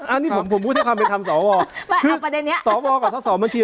อ่านี่ผมผมพูดถึงความเป็นคำสอวคือสอวกับท่อสอบบัญชี